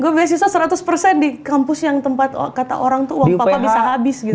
gue beasisnya seratus persen di kampus yang tempat kata orang tuh uang papa bisa habis gitu